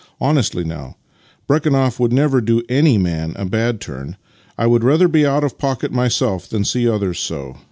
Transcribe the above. Honestly, now. Brek hunoff would never do any man a bad turn. I would rather be out of pocket myself than see others so.